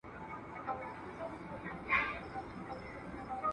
سړی په خپلو بدو اعمالو باندې ډېر زیات شرمنده شو.